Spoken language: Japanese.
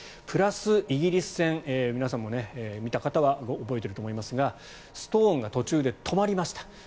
プラス、イギリス戦見た方は覚えていると思いますがストーンが途中で止まりました。